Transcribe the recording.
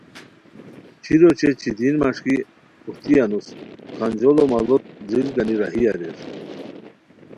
ݯھیر اوچے چیدین مݰکی اوہتی انوس کھانجوڑ ماڑوت دریل گانی راہی اریر